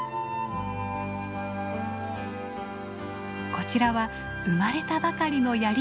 こちらは生まれたばかりのヤリイカ。